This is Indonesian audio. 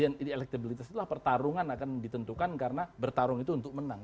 nah di elektabilitas itu pertarungan akan ditentukan karena bertarung itu untuk menang